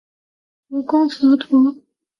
蜈蚣蛇螺为蛇螺科下的一个种。